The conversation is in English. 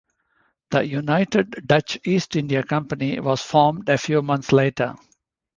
The united Dutch East India Company was formed a few months later.